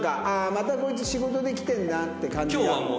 ああまたこいつ仕事で来てるなって感じが。